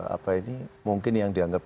apa ini mungkin yang dianggap